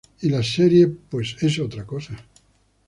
Y la serie, pues es otra cosa.